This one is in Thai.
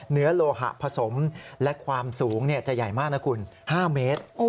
โลหะผสมและความสูงจะใหญ่มากนะคุณ๕เมตร